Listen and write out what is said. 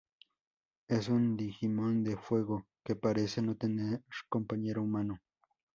Es un Digimon de fuego que parece no tener compañero humano.